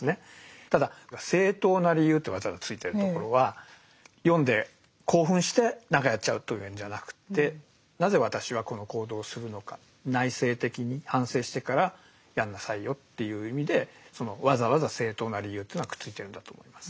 ただ「正当な理由」ってわざわざ付いてるところは読んで興奮して何かやっちゃうとかいうんじゃなくってなぜ私はこの行動をするのか内省的に反省してからやんなさいよっていう意味でそのわざわざ「正当な理由」というのはくっついてるんだと思います。